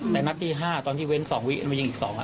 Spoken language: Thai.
แต่นัดที่๕ตอนที่เว้น๒วิต้องก็ยิงอีก๒อ่ะ